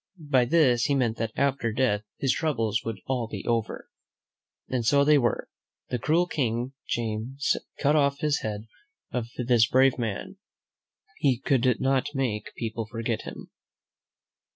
By this he meant that after death his troubles would all be over. And so they were. Though the cruel King James cut off the head of this brave man, he could not make people forget him.